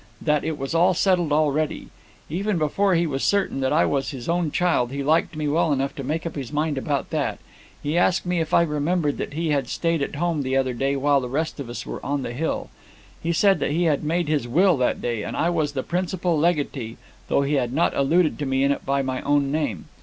That it was all settled already. Even before he was certain that I was his own child, he liked me well enough to make up his mind about that. He asked me if I remembered that he had stayed at home the other day while the rest of us were on the hill? He said he had made his will that day, and I was the principal legatee, though he had not alluded to me in it by my own name.